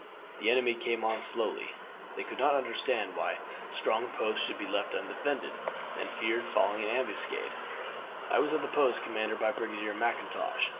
The enemy came on slowly. They could not understand why strong posts should be left undefended, and feared falling in an ambuscade. I was at the post commanded by Brigadier Mackintosh.